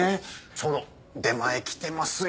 ちょうど出前来てますよ。